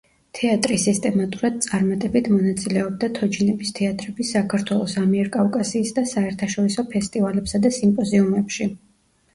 თეატრი სისტემატურად წარმატებით მონაწილეობდა თოჯინების თეატრების საქართველოს, ამიერკავკასიის და საერთაშორისო ფესტივალებსა და სიმპოზიუმებში.